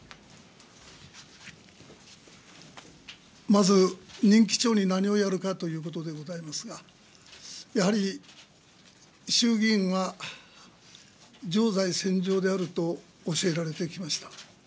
まず、任期中に何をやるかということでございますが、やはり衆議院は常在戦場であると教えられてきました。